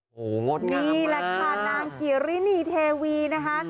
โหหมดงานแล้วค่ะนี่ล่ะค่ะนางเกรียรินีเทวีนะฮะ